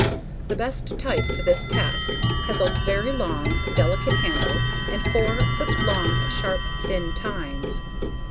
The best type for this task has a very long, delicate handle and four, foot long, sharp, thin tines.